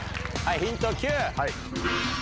ヒント９。